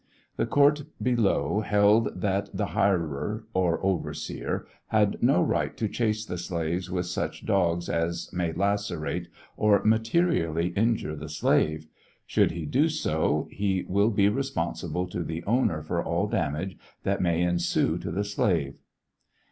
The court below held " that the hirer or overseer had no right to chase the slaves with such dogs as may lacerate or materially injure the slave; should he do so he will be responsible to the owner for all damage that may ensue to the slave."